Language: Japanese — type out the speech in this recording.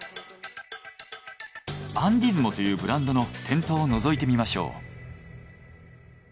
アンディズモというブランドの店頭をのぞいてみましょう。